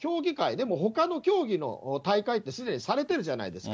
でもほかの競技の大会ってすでにされてるじゃないですか。